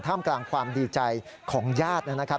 มกลางความดีใจของญาตินะครับ